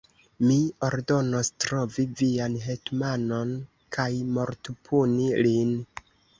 Mi ordonos trovi vian hetmanon kaj mortpuni lin!